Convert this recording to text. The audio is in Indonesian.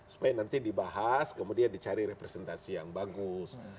supaya nanti dibahas kemudian dicari representasi yang bagus